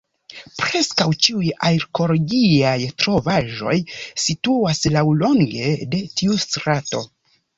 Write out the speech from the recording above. Preskaŭ ĉiuj arkeologiaj trovaĵoj situas laŭlonge de tiu strato.